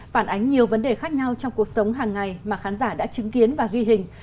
phản ánh nhiều vấn đề khác nhau trong cuộc sống hàng ngày mà khán giả đã chứng kiến và ghi hình